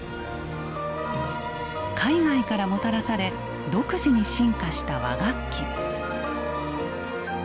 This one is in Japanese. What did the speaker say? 海外からもたらされ独自に進化した和楽器。